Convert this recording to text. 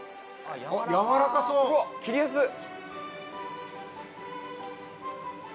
・やわらかそううわ切りやすっ！